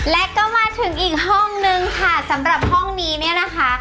และก็มาถึงอีกห้องนึงค่ะสำหรับห้องนี้เนี่ยนะคะ